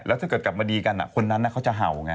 แล้วถ้าเกิดกลับมาดีกันคนนั้นเขาจะเห่าไง